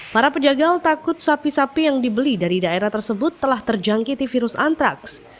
para pejagal takut sapi sapi yang dibeli dari daerah tersebut telah terjangkiti virus antraks